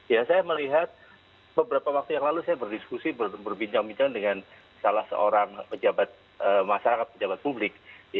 ya saya melihat beberapa waktu yang lalu saya berdiskusi berbincang bincang dengan salah seorang pejabat masyarakat pejabat publik